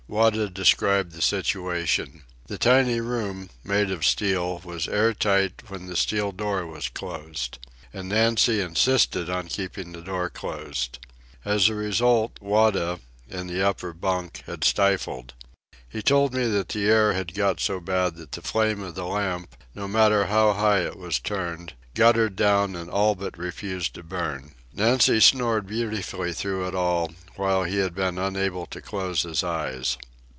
Wada described the situation. The tiny room, made of steel, was air tight when the steel door was closed. And Nancy insisted on keeping the door closed. As a result Wada, in the upper bunk, had stifled. He told me that the air had got so bad that the flame of the lamp, no matter how high it was turned, guttered down and all but refused to burn. Nancy snored beautifully through it all, while he had been unable to close his eyes.